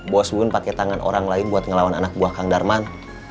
bos gue pakai tangan orang lain buat ngelawan anak buah kang darman